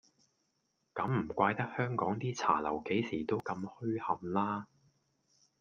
噉唔怪得香港啲茶樓幾時都咁噓冚啦